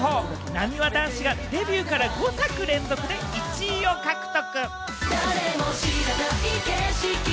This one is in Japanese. なにわ男子がデビューから５作連続で１位を獲得。